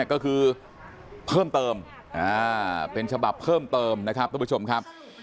ก็คือเพิ่มเติมเป็นฉบับเพิ่มเติมนะครับทุกผู้ชมครับ